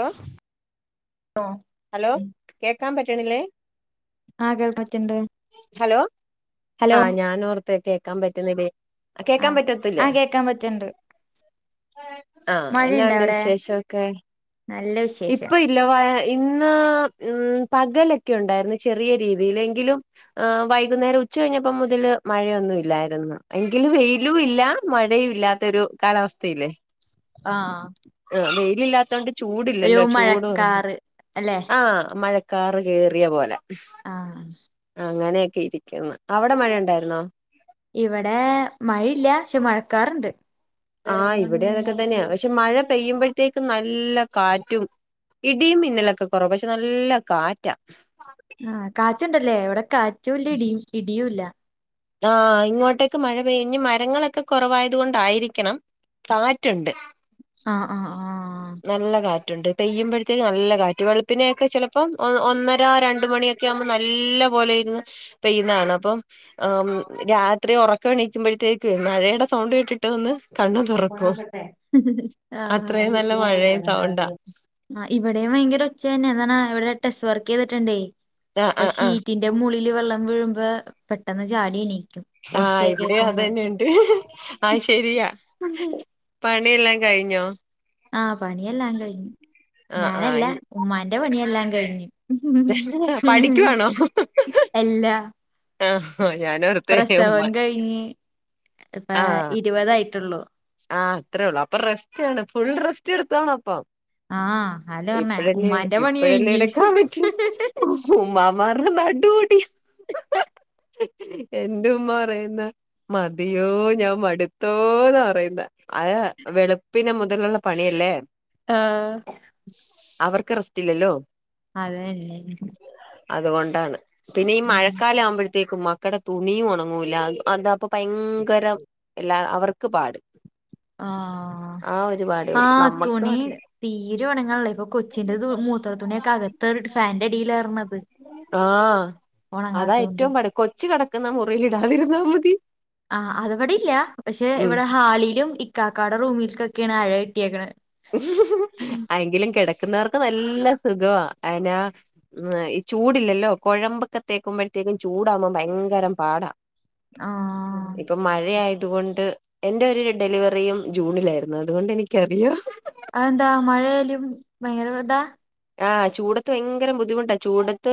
ഏഹ് ഓഹ് ഹലോ കേൾക്കാൻ പറ്റണില്ലേ. ആഹ് കേൾക്കാൻ പറ്റ്ണ്ട് ഹലോ ഹലോ ആ ഞാൻ ഓർ ത്ത് കേക്കാൻ പറ്റണില്ലേ ആ കേൾക്കാൻ ആഹ് പറ്റത്തില്ലേ. ആഹ് കേക്കാൻ പറ്റ്ണ്ട് ആഹ് എന്നാ മഴയുണ്ടോ ഉണ്ട് അവിടെ വിശേഷൊക്കെ നല്ല വിശേഷം ഇപ്പൊ ഇല്ല വ ഇന്ന് ഉം പകലൊക്കെ ഉണ്ടായിരുന്നു ചെറിയ രീതിയിലെങ്കിലും. ഏഹ് വൈകുന്നേരം ഉച്ച കഴിഞ്ഞപ്പോ മുതല് മഴയൊന്നും ഇല്ലായിരുന്നു. എങ്കിലും വെയിലും ഇല്ല മഴയും ഇല്ലാ ത്തൊരു കാലാവസ്ഥയില്ലേ. ആഹ് ആഹ് വെയിലില്ലാത്തണ്ട് ചൂടില്ലല്ലേ ചൂട് കുറഞ്ഞു അല്ലേ. ആഹ് മഴക്കാറ് കേറിയ പോലെ ആഹ് അങ്ങനെയൊക്കെ ഇരിക്കുന്നു. അവിടെ മഴ ഉണ്ടായിരുന്നോ. ഇവിടെ മഴയില്ല പക്ഷെ മഴക്കാറുണ്ട്. ആഹ് ഇവിടെ അതൊക്കെ തന്നെയ. പക്ഷെ മഴ പെയ്യുമ്പോഴത്തേക്ക് നല്ല കാറ്റും. ഇടിയും മിന്നലൊക്കെ കുറവ. പക്ഷെ നല്ല കാറ്റ. ആഹ കാറ്റുണ്ടല്ലേ ഇവിടെ കാറ്റും ഇല്ല. ഇട ഇടിയുല്ല. ആഹ് ഇങ്ങോട്ടേക്ക് മഴ പെയഞ്ഞ് മരങ്ങളൊക്കെ കുറവായത് കൊണ്ടായിരിക്കണം കാറ്റുണ്ട്. ആഹ് ആഹ് ആഹ് നല്ല കാറ്റുണ്ട് പെയ്യുമ്പോഴത്തേക്ക് നല്ല കാറ്റ് വെളുപ്പിനെയൊക്കെ ചിലപ്പോം ഒന്നര. ഒന്നര രണ്ട് മണിയൊക്കെ ആവുമ്പോൾ നല്ല പോലെ ഇരിന്ന് പെയ്യുന്നത് കാണാം അപ്പം. ത്രീ ഉറക്കെണീക്കുമ്പോഴത്തേക്കും മഴയുടെ സൗണ്ട് കേട്ടിട്ട്. ട്ടൊന്ന് കണ്ണ് തുറക്കും ആഹ് അത്രയും നല്ല മഴയും സൗണ്ട. ആഹ് ഇവിടെയും ഭയങ്കര ഒച്ച തന്നെ എന്താ ഇവിടെ ടെസ് വർക്ക് ചെയ്തിട്ടുണ്ടേ ആഹ് അപ്പൊ ആഹ് ആഹ് ഷീറ്റി ന്റെ മോളില് വെള്ളം വീഴ്മ്പോ പെട്ടെന്ന് ചാടി എണീക്കും. ഒച്ച ആഹ് ഇവിടെ അത് കേക്കുമ്പോ തന്നെയാണ്. ആ ശരിയാ പണിയെല്ലാം കഴിഞ്ഞോ? ആഹ് പണിയെല്ലാ കഴിഞ്ഞു. ആഹ് ഞാനല്ല ആഹ് ഉമ്മാന്റെ പണിയെല്ലാ കഴിഞ്ഞു. ഉം പഠിക്കുവാണോ എല്ലാ ഞാനാ പ്രസവ കഴിഞ്ഞ് ഇപ്പാ ആഹ് ഇരുവതായിട്ടോള്ളൂ. ആഹ് അത്രേ ഉള്ളൂ അപ്പൊ റെസ്‌റ്റാണ് ഫുൾ റെസ്റ്റ്ടുത്താണപ്പൊ. ആ അല്ല പറഞ്ഞ ഇപ്പഴല്ലെ ഉമ്മാന്റെ പണി കഴിഞ്ഞ് ഇപ്പഴല്ലെടുക്കാ പറ്റു. ചുമ്മാമാറ് നടുഒടി എൻ്റെ ഉമ്മ പറയുന്നെ മതിയോ ഞാൻ മടുത്തോന്നറയുന്നെ. അത്‌ വെളുപ്പിന് മുതലുള്ള പണിയല്ലേ. ആഹ് അവർക്ക് റെസ്റ്റില്ലല്ലോ. അതെന്നെ അതുകൊണ്ടാണ് പിന്നെ ഈ മഴക്കാലാവുമ്പഴ് ത്തേക്കും മക്കടെ തുണിം ഒണങ്ങൂല്ല. അതപ്പ ഭയങ്കര എല്ലാ അവർക്ക് പാട്. ആഹ് ആ ഒരുപാടേ ഒള്ളൂ. നമ്മക്കാട്ടിലും. തീരെ ഒണങ്ങ്ണ്ല്ല ഇപ്പൊ കൊച്ചിന്റെതു മൂത്ര തുണിയക്കെ അകത്തോരട്ട് ഫാൻന്റെടിലേറ്ണത്. ആഹ് അതാ ഏറ്റും പാട്. കൊച്ച് കടക്കുന്ന മുറിലിടാതിരുന്നാ മതി. ആഹ് അതവിടില്ല. പക്ഷെ ഉം ഇവിടെ ഹാളിലും ഇക്കാക്കാട റൂമിൽക്കൊക്കേണ് അഴ കെട്ടിയേക്ക്ണ്. അയെങ്കിലു കെട്ക്കുന്നർക്ക് നല്ല സുഖവാ. അയ്നാ ചൂടില്ലല്ലോ കൊഴമ്പക്കത്തേക്കുമ്പഴത്തേക്കു ചൂടാവുമ്പോം ഭയങ്കര പാടാ. ആഹ് ഇപ്പ മഴയായത് കൊണ്ട് എന്റെ ഒരു ഡെലിവറിയും ജൂണിലായിരുന്നു. അതുകൊണ്ട് എനിക്കറിയാ. അതെന്താ മഴയാലും ഭയങ്കര താ? ആഹ് ചൂടത്ത് ഭയങ്കരം ബുദ്ധിമുട്ടാ ചൂടത്ത്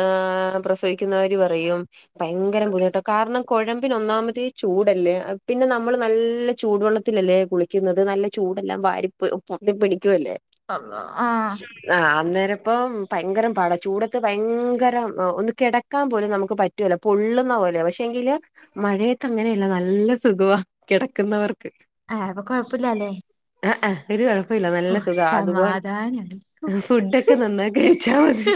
ഏഹ് പ്രസവിക്കുന്നവര് പറയും ഭയങ്കര ബുദ്ധിമുട്ട. കാരണം കൊഴമ്പിന് ഒന്നാമതെ ചൂടല്ലേ പിന്നെ നമ്മള് നല്ല ചൂടുവെള്ള ത്തിലല്ലേ കുളിക്കുന്നത്. നല്ല ചൂടെല്ലാം വാരി പൊ പൊത്തി പിടിക്കുഅല്ലേ. അള്ളാഹ് ആഹ് ആഹ് അന്നേരപ്പം ഭയങ്കരം പാടാ. ചൂടത്ത് ഭയങ്കര ആഹ് ഒന്ന് കെടക്കാൻ പോലും നമുക്ക് പറ്റ് പറ്റുല പൊള്ളുന്ന പോലെ പക്ഷേ എങ്കില്- മഴയത്ത് അങ്ങനെയല്ല നല്ല സുഖവാ കെടക്കുന്നവർക്ക്. ആഹ് അപ്പൊ കൊഴപ്പുല്ലാല്ലേ ആഹ് ഹാ ഒരു കൊഴപ്പോവില്ല നല്ല സുഖാ അതുപോൽ- ഞാൻ ഇടും ആഹ് ഫുഡൊക്കെ നന്നായി കഴിച്ചാ മതി.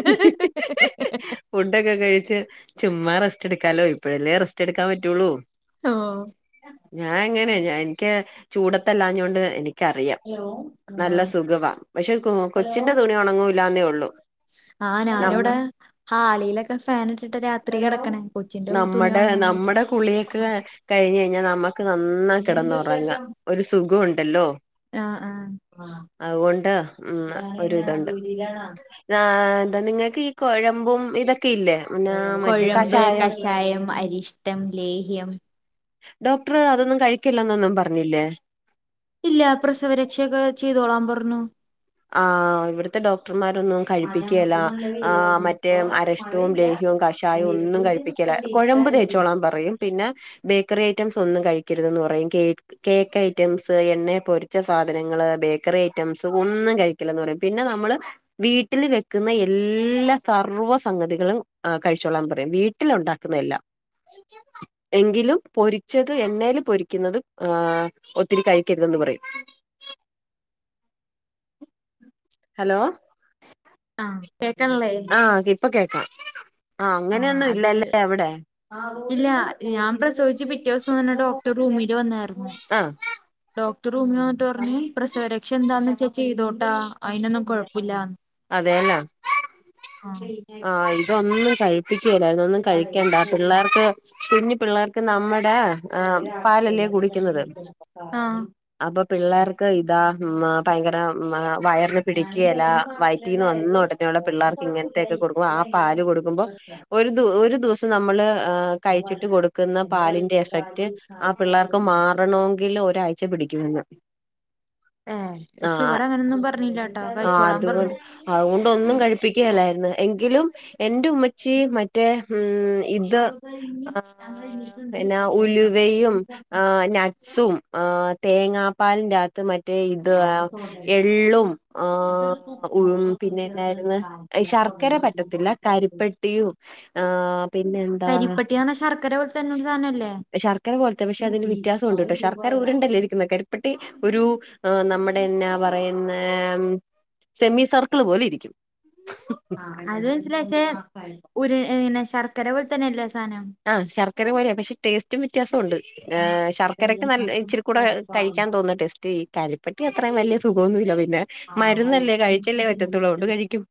ഫുഡൊക്കെ കഴിച്ച് ചുമ്മാ റസ്റ്റ്ടുക്കാലോ ഇപ്പഴല്ലേ റസ്റ്റ് എടുക്കാൻ പറ്റുള്ളൂ. ഓഹ് ഞാൻ അങ്ങനെ ഞാന് എനിക്ക് ചൂടത്തല്ലാഞ്ഞോണ്ട് എനി ക്കറിയാം നല്ല സുഖവാ പക്ഷെ കൊ കൊച്ചിന്റെ തുണി ഒണങ്ങൂല്ലാന്നേ ഒള്ളൂ. ആഹ് ഞാന്‌ അവിടെ ഹാളിയിലൊക്കെ ഫാനിട്ടിട്ടാ രാത്രി കെട്ക്ക്ണേ. നമ്മടെ നമ്മടെ കുളിയൊക്കെ- കഴിഞ്ഞ് കഴിഞ്ഞ നമ്മക്ക് നന്നായി കെടന്ന് ഒറങ്ങാം ഒരു സുഖം ഒണ്ടല്ലോ. ആഹ് ആഹ് അതുകൊണ്ട് ഇന്ന് ഒരു ഇത് ഒണ്ട്. ആഹ് എന്താ നിങ്ങക്ക് ഈ കൊഴമ്പും ഇതൊക്കെയില്ലേ പിന്നെ മറ്റേ കൊഴമ്പ് കഷായം? കഷായം, അരിഷ്ട്ടം ലേഹ്യം ഡോക്ടറ് അതൊന്നു കഴിക്കല്ലന്നൊന്നും പറഞ്ഞില്ലേ? ഇല്ലാ പ്രസവരക്ഷയൊക്കെ ചെയ്തോളാം പറഞ്ഞു. ആഹ് ഇവുട്ത്തെ ഡോക്ടർമാരൊന്നു കഴിപ്പിക്കേല്ല. ആഹ് മറ്റേ അരഷ്‌ട്ടവും ലേഹ്യവും കഷ് ചായ ഒന്നും കഴിപ്പിക്കെലാ കൊഴമ്പ് തേച്ചോളാൻ പറയും പിന്നെ ബേക്കറി ഐറ്റംസ് ഒന്നും കഴിക്കരുതന്ന് പറയും കേക്ക്- കേക്ക് ഐറ്റംസ് എണ്ണയെ പൊരിച്ച സാധനങ്ങള് ബേക്കറി ഐറ്റംസ് ഒന്നും - കഴിക്കലന്ന് പറയും പിന്നെ നമ്മള്- വീട്ടില് വെക്കുന്ന എല്ലാ സർവ്വസഗതികളും കഴിച്ചോളാൻ പറയും വീട്ടിൽ ഉണ്ടാക്കുന്ന എല്ലാം ഉം എങ്കിലും പൊരിച്ചത് എണ്ണേല് പൊരിക്കുന്നത് ആഹ് ഒത്തിരി കഴിക്കരുതെന്ന് പറയും ഹലോ ആഹ് കേക്കാനുള്ളായില്ലേ ആഹ് ഇപ്പ കേക്കാം ആ ആഹ് അങ്ങനെയൊന്നും ഇല്ല അത് അല്ലെ അവിടെ ഇല്ല ഞാൻ പ്രസവിച്ച് പിറ്റേ ദിവസം തന്നെ ഡോക്ടർ റൂമില് വന്നായിരുന്നു ആഹ് ഡോക്ടർ റൂമി വന്നിട്ട് പറഞ് പ്രസവരക്ഷ എന്താന്ന് വെച്ചാ ചെയ്തോട്ടോ അതിനൊന്നും കൊഴപ്പമില്ല പറഞ്ഞു അതെയല്ലോ ആഹ് ഇതൊന്ന് കൈ- കഴിക്കേല്ലായിരുന്നു ഒന്നും കഴിക്കണ്ട പിള്ളേർക്ക് കുഞ്ഞ് പിള്ളേർക്ക് നമ്മടെ - ആഹ് പാലല്ലേ കുടിക്കുന്നത് അപ്പൊ പിള്ളേർക്ക് ഇതാ ഭയങ്കര വയറിന് പിടിക്കേലാ വയറ്റീന്ന് വന്നു ഉടനെയുള്ള പിള്ളേർക്ക് ഇങ്ങനത്തെയൊക്കെ കൊടുക്കുമ്പോ ആ പാല് കൊടുക്കുമ്പോ - ഒരു ദി ഒരു ദിവസം നമ്മള് ആഹാ - കഴിച്ചിട്ട് കൊടുക്കുന്ന പാലിന്റെ എഫക്റ്റ് ആ പിള്ളേർക്ക് മാ- മാറണമെങ്കിൽ ഒരാഴ്ച പിടിക്കും മെന്ന് ഏ പക്ഷെ ഇവിടെ അങ്ങനൊന്നും പറഞ്ഞില്ലാണ്ടോ ആ കഴിച്ചോളാം- അതുകൊണ്ട് ഒന്നും കഴിപ്പി- ലായിരുന്നു എങ്കിലും എന്റെ ഉമ്മച്ചി മറ്റേ ഉം - ഇത് ഏഹ് ഉലുവയും നട്ട് സും ഏഹ് തേങ്ങാപ്പാലും രാത്രി മറ്റ റ്റേ ഇത് ആ ഹ് എള്ളും ആഹ് പുഴു പിന്നെന്തായിന്നു ശർക്കര പറ്റത്തില്ല കരിപ്പെട്ടിയും ആ പിന്നെന്താ കരിപ്പട്ടിന്ന് പറഞ്ഞ ശർക്കര പോലത്തെ തന്നെ ഒരു സാധനല്ലേ ശർക്കര കുറച്ച് പക്ഷെ അതി വ്യയാസം ഉണ്ട്ട്ടോ അതില് വ്യത്യാസണ്ട് ട്ടൊ ശർക്കര ഉരുണ്ടേ ല്ലേ ഇരിക്കുന്നെ കരിപ്പട്ടി ഒരു നമ്മുടെന്നാ പറയുന്നേ സെമി സർക്കിള് പോലെ ഇരിക്കും അത് മനസിലാക്ക് ഉരു ന്നെ ശർക്കര പോലെ തന്നെയല്ലേ സാനം ആഹ് ശർക്കര പോലെയാ പക്ഷെ ടേസ്റ്റും വ്യത്യാസണ്ട് ഏഹ് ശർക്കരക്ക് നല്ല ഇച്ചിരി കൂടെ കഴിക്കാൻ തോന്നുന്നു ടെസ്റ്റ് കരിപ്പട്ടി അത്രയും വലിയ സുഖമൊന്നുല്ല. പിന്നെ മരുന്നല്ലേ കഴിച്ചല്ലേ പറ്റത്തുള്ളൂ അത് കൊണ്ട് കഴിക്കും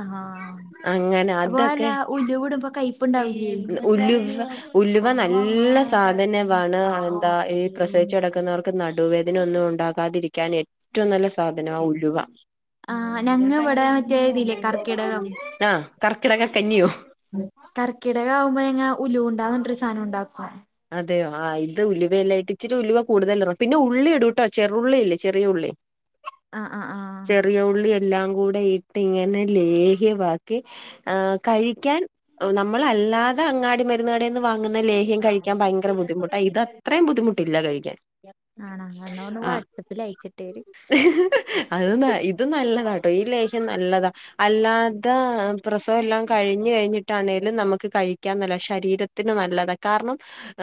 ആഹ് അങ്ങനെ അപ്പൊ അല്ല അതൊക്കെ ഉല് വ ഇടുമ്പോ കൈ പ്പ് ഉണ്ടാവില്ലേ വെച്ചാല് ഉലുവ ഉലുവ അവിടന്ന് വന്ന നല്ല ചെലപ്പം കാറ് കൊട്ത്തയക്കും പ്രസവിച്ച് കെടക്കുന്നവർക്ക് നടുവേദന ഒന്നും ഉണ്ടാകാതിരിക്കാന് ഏറ്റവും നല്ല സാധനം ആഹ് ഞങ്ങ ഇവിടെ മറ്റേ ഇതില്ലേ കർക്കിടകം ആഹ് കർക്കിടക കഞ്ഞിയോ കർക്കിടകാവുമ്പോ ഞങ്ങ ഉലു ഉണ്ടാന്ന്ണ്ടൊരു സാധനം ഉണ്ടാക്കും അതെയോ ആഹ് ഇത് ഉലുവെല്ലാം ഇട്ട് ഇിച്ചിരി ഉലുവ കൂടുതൽ ഇടണം പിന്നെ ഉള്ളി ഇടുട്ടോ ചെറുള്ളില്ലേ ചെറിയ ഉള്ളി ആ ആ ആ ചെറിയ ഉള്ളി എല്ലാം കൂടെ ഇട്ട് ഇങ്ങനെ ലേഹ്യവാക്കി ആഹ് കഴിക്കാൻ നമ്മൾ അല്ലാതെ അങ്ങാടി മരുന്നുകടെന്ന് വാങ്ങുന്ന ലേഹ്യം കഴി ക്കാൻ ഭങ്കര ബുദ്ധിമുട്ടാ ഇത് അ ത്ത്രയും ബുദ്ധിമുട്ടില്ല കഴിക്കാൻ ആണോ എന്നാ ഒന്ന് ആ വാട്സപ്പിൽ അയച്ചിട്ടേര് അത് ഇത് നല്ലതാട്ടോ ഈ ലേഹ്യം നല്ലതാ അല്ലാത പ്രസവം എല്ലാം കഴിഞ്ഞ് കഴിഞ്ഞിട്ടാണെങ്കിലും നമുക്ക് കഴി ക്കാം നല്ലതാ ശരീരത്തിന് നല്ലതാ കാരണം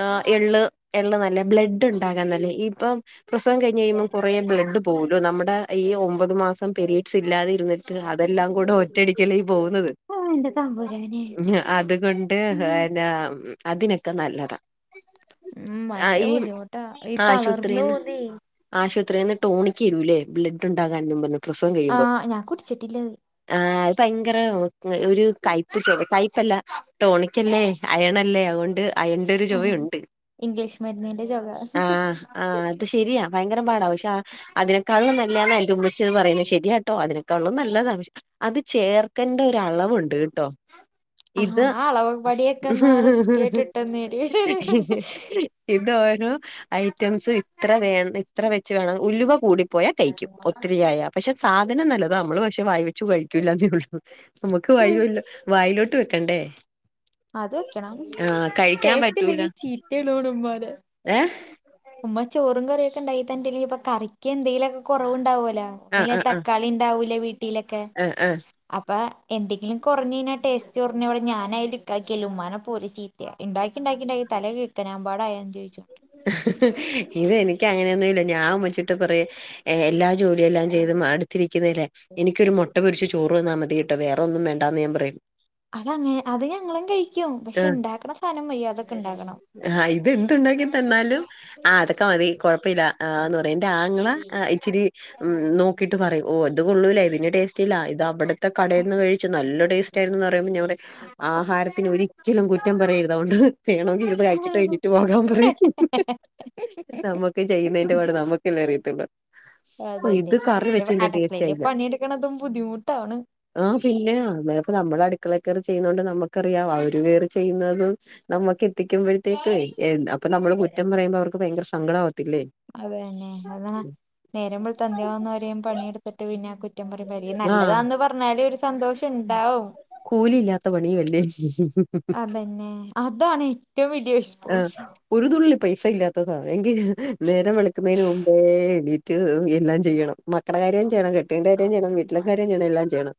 ആഹ് എള്ള് എള്ള് നല്ലതാ ബ്ലഡ് ഉണ്ടാകാൻ നല്ലേ ഈപ്പം പ്രസവം കഴിഞ് കഴിയുമ്പോം കുറേ ബ്ലഡ് പോകലൂ നമ്മുടെ ഈ ഒമ്പത് മാസം പെരീഡ്സ് ഇല്ലാതെരുന്നി അതെല്ലാം കൂടെ ഒറ്റടിക്കല്ലേ ഈ പോകുന്നത് ആഹ്‌ എന്റേതാ ഉം അതുകൊണ്ട് ഉം അതിനൊക്കെ നല്ലതാ ഉം ആഹ് ഭയങ്കര ഈ ബുദ്ധിമുട്ട ഈ തളർന്നു പോവുന്നേ ആശുപത്രിന്ന് ടോണിക്ക് തരൂല്ലേ ബ്ലഡ് ഉണ്ടാകാനെ പറഞ്ഞ് പ്രസവം ആ കഴിയുമ്പോ ഞാൻ കുടിച്ചിട്ടില്ലത് ആഹ് [inaudible] അത് ഭയങ്കര ഒരു കയ്പ്പ് കയ് പ്പല്ല ടോണിക്കല്ലേ അയണല്ലേ അതൊണ്ട് അയൺ ആഹ് ഇംഗ്ലീഷ് മരുന്നിന്റെ ചൊക ആഹ് ആഹ് അത് ശരിയാ ഭയങ്കര പാടാ പക്ഷെ അതിനെക്കാളും നല്ലതെന്നെ എന്റെ ഉമ്മച്ചി പറയുന്നത് ശരിയാട്ടോ അതിനെ കള്ളു നല്ലതാ അത് ചേർക്കണ്ട ഒരളവുണ്ട് കേട്ടോ ആ ഇത് ആ അളവ് പടിയൊക്കെ എന്നാ റെസ്കി ആയിട്ട് ഇട്ടന്നേര് ഇത് ഓരോ ഐറ്റംസ് ഇത്ര വേണം ഇത്ര വെച്ച് വേണം ഉലുവ കൂടിപ്പോയാൽ കഴിക്കും പൊ ഒത്തിരിയായ പക്ഷെ സാധനം നല്ലതാ നമ്മള് പക്ഷെ വായി വെച്ചു കഴിക്കൂല്ല എന്നേ ഉള്ളൂ നമ്മുക്ക് വയ്യൊലോ വായിലോട്ട് വെക്കണ്ടേ അത് വെക്കണം ആഹ് കഴിക്കാൻ ടേസ്റ്റ് പറ്റൂല ഇല്ലെങ്കിൽ ചീറ്റലോ ടും ഉമ്മാനെ ഏഹ് ഉമ്മ ചോറും കറിയൊക്കെണ്ടായി തന്റെ ലിപ്പൊ കറക്ക് എന്തേലുമൊക്കെ കുറവുണ്ടാവോലോ ആഹ് ഒന്നിലെ ആഹ് ആഹ് തക്കാളിണ്ടാവൂല വീട്ടിലൊക്കെ ആഹ് ആഹ് അപ്പൊ എന്തെങ്കിലും കുറഞ്ഞ്കഞ്ഞാ ടേസ്റ്റ് കുറഞ്ഞടെ ഞാൻ അയില് ഇണ്ടാക്കിയല് ഉമ്മാനെ പോല് ചീത്തയ ഇണ്ടാക്കി ഇണ്ടാക്കി ഇണ്ടാക്കി തലക്കിത്തനമ്പാടായാന്ന് ചോദിച്ചു ഇത് എനിക്ക അങ്ങനെയൊന്നുംല്ല ഞാൻ ഉമ്മച്ചിട്ട് പറയ് എല്ലാ ജോലിയെല്ലാം ചെയ്ത് അടുത്തിരിക്കുന്നല്ലേ എനിക്കൊരുമൊ മുട്ട പൊരിച്ച് ചോറ്ന്നാൽ മതിട്ടോ, വേറെന്നും വേണ്ട എന്ന് ഞാൻപറയും അതങ്ങെ അത് ഞങ്ങളും കഴിക്കും. പക്ഷെ ആഹ് ഉണ്ടാക്കണ സാധനം മര്യാദയ്ക്ക് ഉണ്ടാക്കണം. ആഹ് ഇത്എന്ത് ഉണ്ടാക്കി തന്നാലും ആ അതൊക്കെ മതി കൊഴപ്പില്ല ആന്ന് പറയും എന്റെ ആങ്ങള ഇച്ചിരി ഉും നോകു ക്കിട്ട്പറയും ഓ അത്കൊള്ളൂല ഇതിന്റെ ടേസ്റ്റ്ഇല്ല. ഇത് അവിടുത്തെ കടയിന്ന്കഴിച്ചുനല്ല ടേസ്റ്റ്ആയി എന്ന് പറയുമ്പോൾ ഞാൻ പറയും. ആഹാരത്തിന് ഒരിക്കലും കുറ്റം പറയരുത്. അതുകൊണ്ട് വേണമെങ്കിൽ ഇരുന്ന് കഴിച്ചിട്ട് എഴ്നെട്ട് പോകാൻപറയും [unintelligible] നമ്മുക്ക് ചെയ്യുന്നതിന്റെ പാട് നമ്മക്കല്ലേ അറിയത്തുള്ളൂ ഓ അതെ തെ ഇത് കറി പക്ഷെ വെച്ചിന്റെ ടേസ്റ്റ് അട്ക്കളയിലെ പണിയെട്ക്കണതും ബുദ്ധിമുട്ടാണ്. ആഹ് പിന്നെ ഇപ്പോ നമ്മള അടുക്കളക്കറി ചെയ്യുന്നത കൊണ്ട് നമുക്കറിയാം അവര് കയറി ചെയ്യുന്നതും നമ്മുക്ക് എത്തിക്കുമ്പോഴത്തേക്ക് എന്ത അപ്പൊ നമ്മള് കുറ്റം പറയുമ്പോ അവർക്ക് ഭയങ്കര സങ്കടം ആവത്തില്ലേ? അതന്നെ അത് നേരംവെള്ത്ത് അന്ത്യ ആകുന്നവരെയും പണിയെടുത്തിട്ട് പിന്നെആകുറ്റ് കുറ്റം പരയുമ്പോ ഈ ആഹ് നല്ലതാന്ന് പറഞ്ഞാല് ഒരു സന്തോഷം ഉണ്ടാവും കൂലി ഇല്ലാത്ത പണിയുവല്ലേ അതന്നെ അതാണ് ഏറ്റവും വല്യ ഇഷ് [unintelligible] ഒരു തുള്ളി പൈസ ഇല്ലാത്തതാണ് എങ്കിൽ നേരം വിളക്കുന്നതിന് മുമ്പേ എണീറ്റ് എല്ലാം ചെയ്യണം മക്കട കാര്യം ചെയ്യണം, കെട്ടീന്റെ കാര്യം ചെയ്യണം, വീട്ടില കാര്യം ചെയ്യണം, എല്ലാം ചെയ്യണം.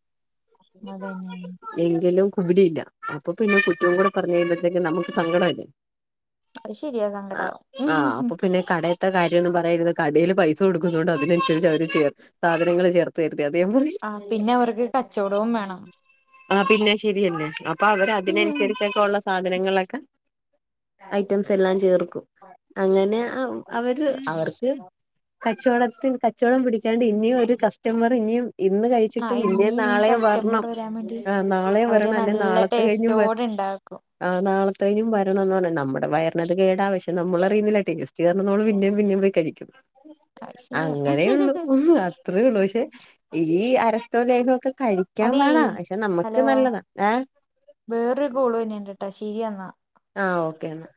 അതന്നെ എങ്കിലും കുലിയില്ല. അപ്പോപിന്നെ കുറ്റംകുടി പറഞ്ഞ് കഴിമ്പതേക്ക് നമുക്ക് സങ്കടം അല്ലേ അത് ശെരിയാ സങ്കടാവും ഹും ആഹ് ഹും അപ്പൊ പിന്നെ കടയത്തെ കാര്യംന്ന് പറയരുത് കടയിൽ പൈസ കൊടുക്കുന്നുണ്ട് അതിനനുസരിച്ച് അവിടിം ചെയ്യ സാധനങ്ങള് ചേർത്ത് വര്തേ അതേ പോലെ ആ പിന്നെ അവർക്ക് കച്ചവടവും വേണം ആഹ് പിന്നെ ശരിയല്ലേ അപ്പൊ അവര് അതിനനുസരിച്ചൊക്കെ ഉള്ള സാധനങ്ങളൊക്കെ ഐറ്റംസ് എല്ലാം ചേർക്കും അങ്ങനെ ആഹ് അവര് അവർക്ക് കച്ചവടത്തിൽ കച്ചവടം പിടിക്കാണ്ട് ഇനിയും ഒരു കസ്റ്റമർ ഇനിയും ഇന്ന് കഴിച്ചിട്ട ആ പിന്നെം ഇനി നീ നാളെയും കസ്റ്റമർ വരണം, വരാൻ വേണ്ടി ആഹ് നാളെയും അവര് വരണം, അല്ലെ നല്ല നാളത്തെ കഴിഞ്ഞും വരണം, ടേസ്റ്റോടെ ഇണ്ടാക്കും ആഹ് നളത്തെഴിഞ്ഞും വരണം എന്ന് പറഞ്ഞ് നമ്മുടെ വയറിനത് കേടാ പക്ഷെ നമ്മൾയറുന്നില്ല ടെസ്റ്റ് സ്റ്റ് നമ്മള് പിന്നേം പിന്നേം പോയി കഴിക്കും അത് ശരിയാ അങ്ങനെയള്ളു ഒന്ന് അത്രയേ ഉള്ളൂ പക്ഷെ ഈ അരസ്റ്റോ ലേഹൊക്കെ കഴിക്കാൻ അതേ പാടാ നമ്മക്ക് ഹലോ? നല്ലതാ ഏഹ് വേറൊരുകോള് വര്ണ് ണ്ട്ട്ടാ ശെരിയെന്നാ ആഹ് ഓക്കെ എന്നാ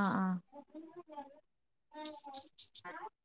ആഹ് ആഹ് [unintelligible] [inaudible]